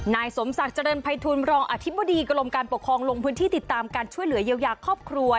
นายสมศักดิ์เจริญภัยทูลรองอธิบดีกรมการปกครองลงพื้นที่ติดตามการช่วยเหลือเยียวยาครอบครัว